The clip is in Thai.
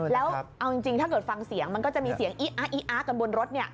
แล้วเอาจริงถ้าเกิดฟังเสียงมันก็จะมีเสียงอีอะอีอะกันบนรถ